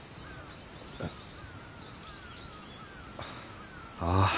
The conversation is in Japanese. えっああ。